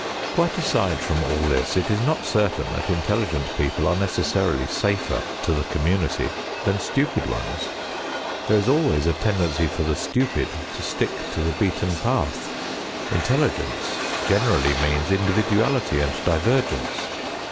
Quite aside from all this it is not certain that intelligent people are necessarily safer to the community than stupid ones. There is always a tendency for the stupid to stick to the beaten path. Intelligence generally means individuality and divergence.